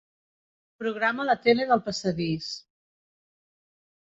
Programa la tele del passadís.